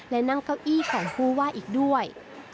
และนั่งเก้าอี้ของผู้ว่าอีกด้วย